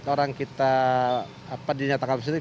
satu ratus empat orang kita dinyatakan positif